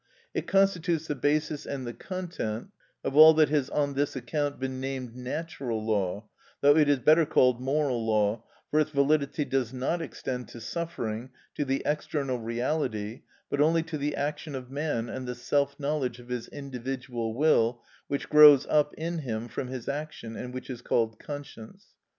It constitutes the basis and the content of all that has on this account been named natural law, though it is better called moral law, for its validity does not extend to suffering, to the external reality, but only to the action of man and the self knowledge of his individual will which grows up in him from his action, and which is called conscience.